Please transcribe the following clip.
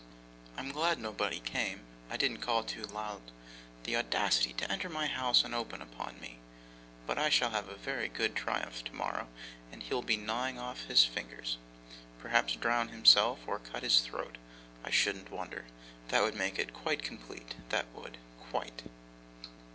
I'm glad nobody came. I didn't call too loud. The audacity to enter my house, and open upon me! But I shall have a very good triumph tomorrow, and he'll be gnawing his fingers off: perhaps drown himself or cut his throat! I shouldn't wonder! That would make it quite complete, that would: quite.